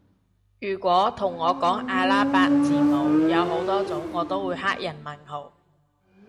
如果同我講阿拉伯字母有好多種我都會黑人問號